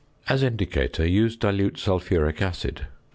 As indicator, use dilute sulphuric acid.